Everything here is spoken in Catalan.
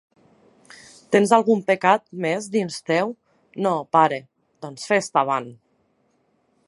—Tens algun pecat més dins teu? —No, pare. —Doncs festa avant!